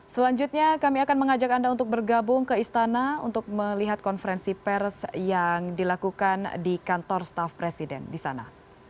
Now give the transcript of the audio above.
selanjutnya kami akan mengajak anda untuk bergabung ke istana untuk melihat konferensi pers yang dilakukan di kantor staff presiden di sana